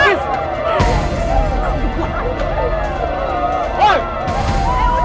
gua usah narikin